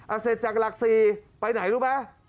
อาเซจากลักษีไปไหนรู้ไหม